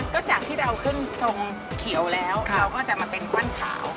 ก็จากที่เราขึ้นทรงเขียวแล้วเราก็จะมาเป็นกว้านขาว